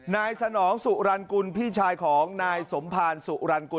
นายสนองสุรรณกุลพี่ชายของนายสมภารสุรรณกุล